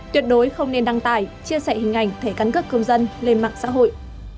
tuyệt đối không nên đăng tải chia sẻ hình ảnh thẻ căn cước công dân lên mạng xã hội